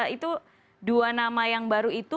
itu dua nama yang baru itu